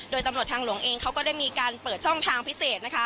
โดยตำรวจทางหลวงเองเขาก็ได้มีการเปิดช่องทางพิเศษนะคะ